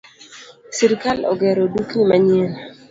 Sirkal ogero dukni manyien